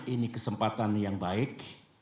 ini kesempatan yang baik